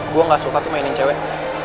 gue gak suka tuh mainin cewek